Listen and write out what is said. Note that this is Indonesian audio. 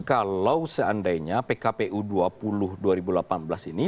kalau seandainya pkpu dua puluh dua ribu delapan belas ini